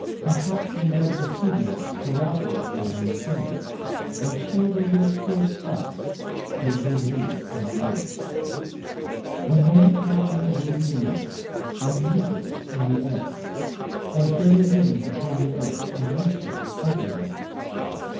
Perhaps, in red Vesuvius Carousals they maintain ; And cheer their little spirits thus, Till green leaves come again. When they return, there will be mirth And music in the air, And fairy wings upon the earth, And mischief everywhere.